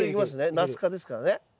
ナス科ですからね。